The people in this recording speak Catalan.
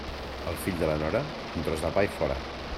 Al fill de la nora, un tros de pa i fora.